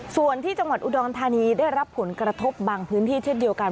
ส่วนที่จังหวัดอุดรธานีได้รับผลกระทบบางพื้นที่เช่นเดียวกัน